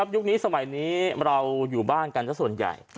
ยุคนี้สมัยนี้เราอยู่บ้านกันสักส่วนใหญ่